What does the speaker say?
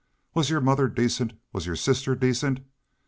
Was your mother decent? Was your sister decent?